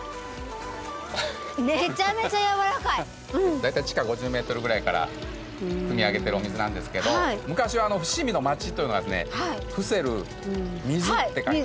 大体地下５０メートルぐらいからくみ上げてるお水なんですけど昔は伏見の町というのはですね「伏せる水」って書いてね。